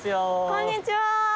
こんにちは。